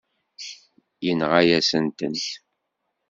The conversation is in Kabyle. Tenɣa-yasen-tent.